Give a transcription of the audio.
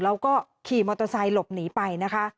แล้วก็ขี่มอเตอร์ไซค์หลบหนีไปนะคะ